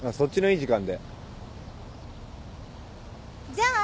じゃあ。